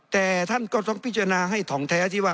แต่ท่านก็ต้องพิจารณาให้ถ่องแท้ที่ว่า